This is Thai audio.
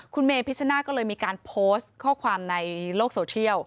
คุณเมพิชนาธิก็เลยมีการโพสต์ข้อความในโลกโซเทียล